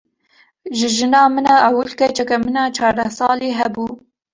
Ji jina min a ewil keçeke min a çardeh salî hebû.